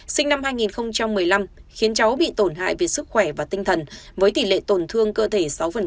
sinh năm hai nghìn một mươi năm khiến cháu bị tổn hại về sức khỏe và tinh thần với tỷ lệ tổn thương cơ thể sáu